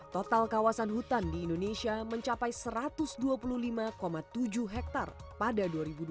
total kawasan hutan di indonesia mencapai satu ratus dua puluh lima tujuh hektare pada dua ribu dua puluh